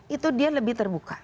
itu dia lebih terbuka